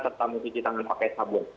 serta mencuci tangan pakai sabun